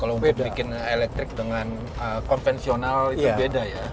kalau mungkin bikin elektrik dengan konvensional itu beda ya